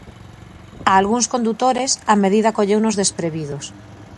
A algúns condutores, a medida colleunos desprevidos.